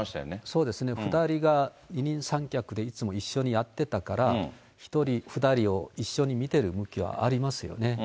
そうですね、２人が二人三脚でいつも一緒にやってたから、１人、２人を一緒に見てる向きはありますよね。